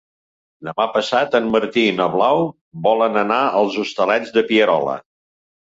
Demà passat en Martí i na Blau volen anar als Hostalets de Pierola.